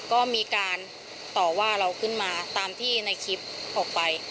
ก็มีการต่อว่าเราขึ้นมาตามที่ในคลิปออกไป